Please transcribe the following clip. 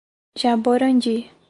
Jaborandi